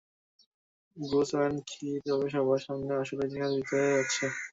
Bruce Wayne কি তবে সবার সামনে আসলেই দেখা দিতে যাচ্ছে?